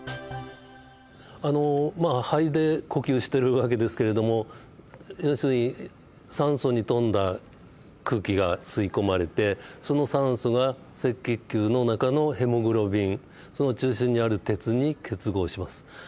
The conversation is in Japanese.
肺で呼吸している訳ですけれども要するに酸素に富んだ空気が吸い込まれてその酸素が赤血球の中のヘモグロビンその中心にある鉄に結合します。